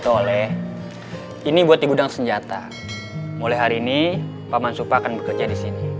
oleh ini buat di gudang senjata mulai hari ini paman supa akan bekerja di sini